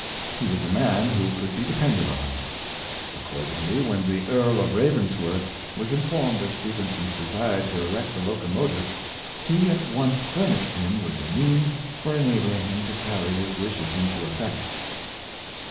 He was a man who could be depended on. Accord ingly, when the Earl of Ravensworth was informed of Stephenson's desire to erect a locomotive he at once furnished him with the means for enablino^ him to carrv ' his wishes into effect.